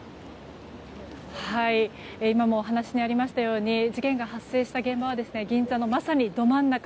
今もお話にありましたように事件が発生した現場は銀座のまさにど真ん中。